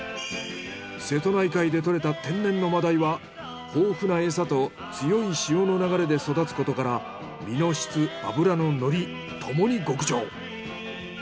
瀬戸内海で獲れた天然の真鯛は豊富なエサと強い潮の流れで育つことから身の質脂ののりともに極上。